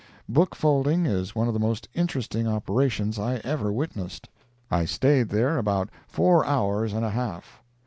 Book folding is one of the most interesting operations I ever witnessed. I staid there about four hours and a half.